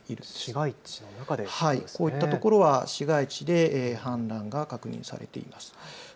市街地の中でこういったところは市街地で氾濫が確認されています。